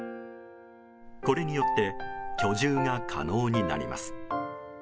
これによって居住が可能になります。